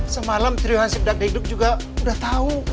semalam triuhan sidak degeduk juga udah tahu